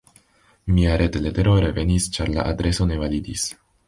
Mia retletero revenis, ĉar la adreso ne validis.